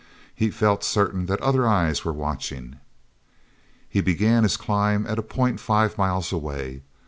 He felt certain that other eyes were watching. e began his climb at a point five miles away.